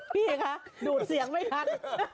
พี่คะดูดเสียงไม่ทัน